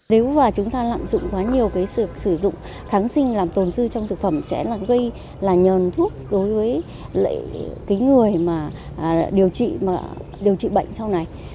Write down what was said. nếu chúng ta lạm dụng quá nhiều sử dụng kháng sinh làm tồn dư trong thực phẩm sẽ gây nhờn thuốc đối với người điều trị bệnh sau này